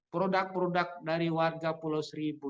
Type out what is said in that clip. produk produk dari warga pulau seribu